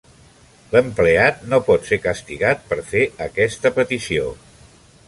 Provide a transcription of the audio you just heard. L'empleat no pot ser castigat per fer aquesta petició.